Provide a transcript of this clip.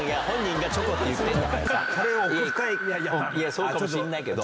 そうかもしんないけど。